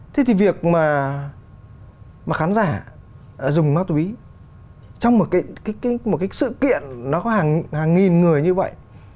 thế thì việc mà khán giả dùng ma túy trong một cái sự kiện nó có hàng nghìn người như vậy